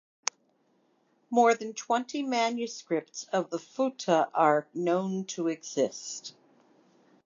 More than twenty manuscripts of the "Futuh" are known to exist.